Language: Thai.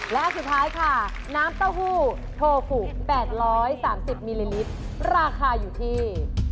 และอันสุดท้ายค่ะน้ำเต้าหู้โทฟู๘๓๐มิลลิลิตรราคาอยู่ที่